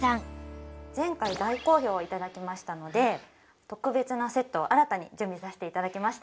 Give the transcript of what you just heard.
前回大好評を頂きましたので特別なセットを新たに準備させて頂きました。